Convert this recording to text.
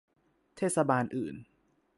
เทศบาลอื่น